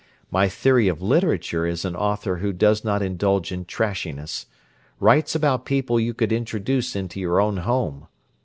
My theory of literature is an author who does not indulge in trashiness—writes about people you could introduce into your own home.